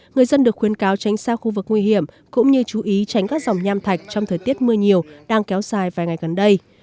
người dân được khuyến cáo tránh xa khu vực nguy hiểm cũng như chú ý tránh các dòng nham thạch trong thời tiết mưa nhiều đang kéo dài vài ngày gần đây